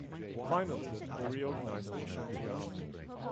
Finally, they reorganized the Ashanti army.